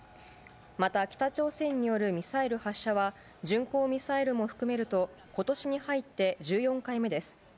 また北朝鮮によるミサイル発射は、巡航ミサイルを含めるとことしに入って１４回目です。